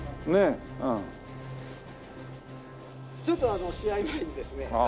ちょっとあの試合前にですね